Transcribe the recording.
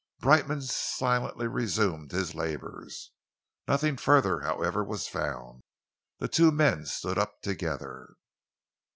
Brightman silently resumed his labours. Nothing further, however, was found. The two men stood up together.